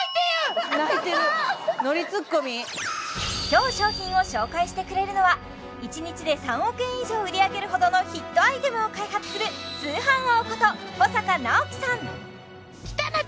今日商品を紹介してくれるのは１日で３億円以上売り上げるほどのヒットアイテムを開発するいや